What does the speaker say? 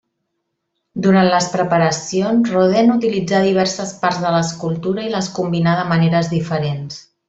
Durant les preparacions, Rodin utilitzà diverses parts de l'escultura i les combinà de maneres diferents.